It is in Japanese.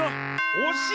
おしい！